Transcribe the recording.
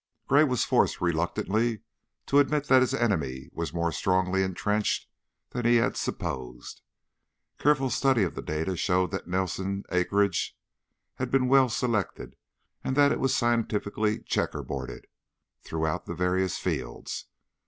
Gray was forced reluctantly to admit that his enemy was more strongly intrenched than he had supposed; careful study of the data showed that the Nelson acreage had been well selected and that it was scientifically "checkerboarded" throughout the various fields.